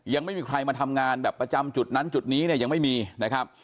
ยังไม่มีใครมาทำงานแบบประจำจุดนั้นจุดนี้เนี่ยยังไม่มีนะครับ